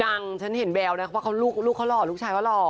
ยังฉันเห็นแววนะว่าลูกเขาหล่อลูกชายเขาหล่อ